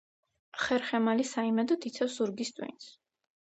ხერხემალი საიმედოდ იცავს ზურგის ტვინს.